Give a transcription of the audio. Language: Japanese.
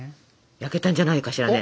焼けたんじゃないかしらね。